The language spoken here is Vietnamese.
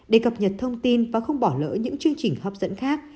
để cập nhật thông tin và không bỏ lỡ những chương trình hấp dẫn khác